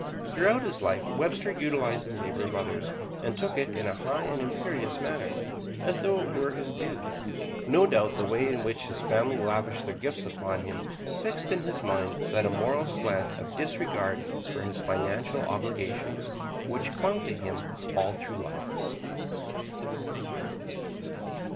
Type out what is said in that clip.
Throughout his life Webster utilized the labor of others, and took it in a high and imperious manner, as though it were his due. No doubt the way in which his family lavished their gifts upon him fixed in his mind that immoral slant of disregard for his financial obligations which clung to him all through life.